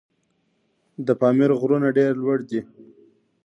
د پامیر غرونه ډېر لوړ دي.